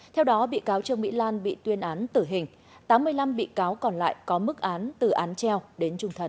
theo đó bị cáo trương mỹ lan bị tuyên án tử hình tám mươi năm bị cáo còn lại có mức án từ án treo đến trung thần